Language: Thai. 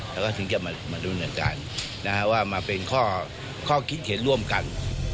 แล้วก็ถึงจะมาดูเนินการว่ามาเป็นข้อคิดเห็นร่วมกัน